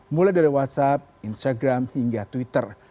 mulai dari whatsapp instagram hingga twitter